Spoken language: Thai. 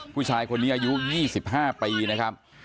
ผู้ชายคนนี้อายุ๒๕ปีนะครับ